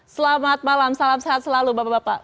selamat malam salam sehat selalu bapak bapak